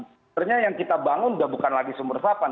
sebenarnya yang kita bangun sudah bukan lagi sumur resapan